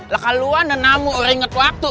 lakaluan dan namu orang inget waktu